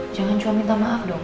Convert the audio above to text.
jangan cuma minta maaf dong